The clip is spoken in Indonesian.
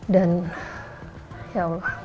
dan ya allah